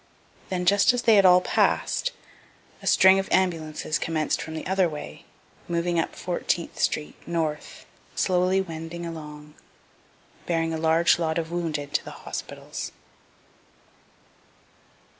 Then just as they had all pass'd, a string of ambulances commenc'd from the other way, moving up Fourteenth street north, slowly wending along, bearing a large lot of wounded to the hospitals.